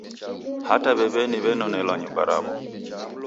Hata w'ew'eni w'enonelwa nyumba raw'o.